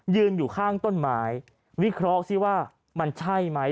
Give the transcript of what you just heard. ยืนอยู่ข้างต้นไม้วิเคราะห์สิว่ามันใช่ไหม